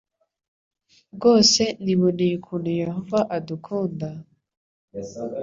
Rwose niboneye ukuntu Yehova adukunda,